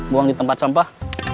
buang di tempat sampah